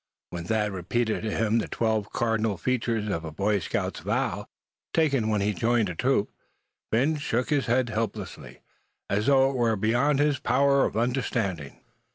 When Thad repeated to him the twelve cardinal features of a Boy Scout's vow, taken when he joined a troop, Phin shook his head helplessly, as though it were beyond his power of understanding.